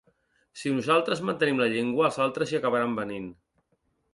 Si nosaltres mantenim la llengua, els altres hi acabaran venint.